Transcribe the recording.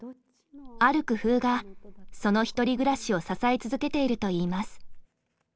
ある工夫がその１人暮らしを支え続けているといいます。